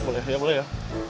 boleh ya boleh ya